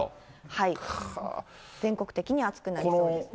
全国的に暑くなりそうですね。